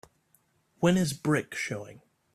When is Brick showing